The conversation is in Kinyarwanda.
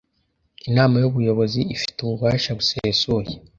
Inama y ubuyobozi ifite ububasha busesuye